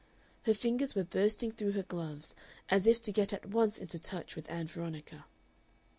Her fingers were bursting through her gloves, as if to get at once into touch with Ann Veronica.